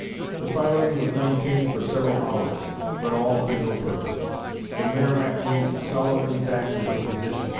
The firing was maintained for several hours, but all to no purpose; the 'Merrimac' moved sullenly back to her position.